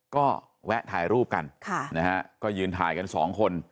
ก็แวะถ่ายรูปกันก็ยืนถ่ายกันสองคน